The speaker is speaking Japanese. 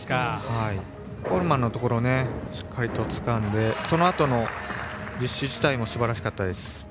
コールマンのところしっかりとつかんでそのあとの実施自体もすばらしかったです。